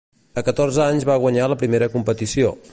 A catorze anys va guanyar la primera competició.